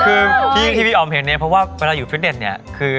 คือที่พี่ออมเห็นเนี่ยเพราะว่าเวลาอยู่ฟิตเน็ตเนี่ยคือ